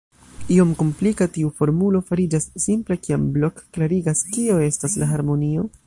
Iom komplika, tiu formulo fariĝas simpla, kiam Blok klarigas: Kio estas la harmonio?